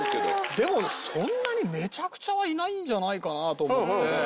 でもそんなにめちゃくちゃはいないんじゃないかなと思って。